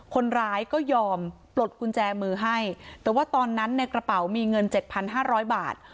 คนร้ายก็ยอมปลดกุญแจมือให้แต่ว่าตอนนั้นในกระเป๋ามีเงิน๗๕๐๐บาท